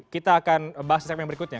kita akan bahas di segmen berikutnya